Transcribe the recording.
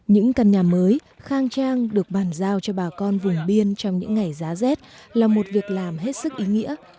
những căn nhà mới khang trang được bàn giao cho bà con vùng biên trong những ngày giá rét là một việc làm hết sức ý nghĩa